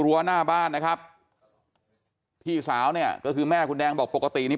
รั้วหน้าบ้านนะครับพี่สาวเนี่ยก็คือแม่คุณแดงบอกปกตินี่